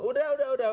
sudah sudah sudah